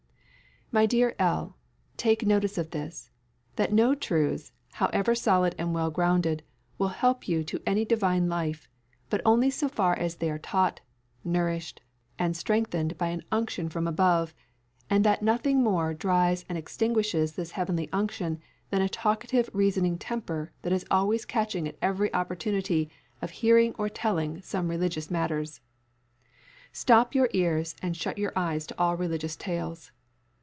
"My dear L , take notice of this, that no truths, however solid and well grounded, will help you to any divine life, but only so far as they are taught, nourished, and strengthened by an unction from above; and that nothing more dries and extinguishes this heavenly unction than a talkative reasoning temper that is always catching at every opportunity of hearing or telling some religious matters. Stop your ears and shut your eyes to all religious tales